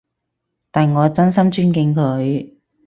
但我真心尊敬佢